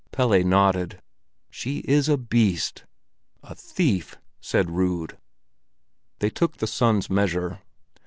Pelle nodded. "She is a beast!" "A thief," said Rud. They took the sun's measure.